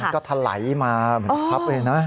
ก็ถลายมาเหมือนทับเลยนะ